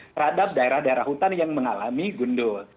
terhadap daerah daerah hutan yang mengalami gundul